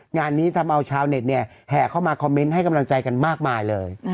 งานนี้ทำเอาชาวเน็ตเนี่ยแห่เข้ามาคอมเมนต์ให้กำลังใจกันมากมายเลย